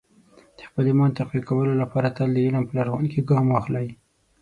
د خپل ایمان تقویه کولو لپاره تل د علم په لارښوونو کې ګام واخلئ.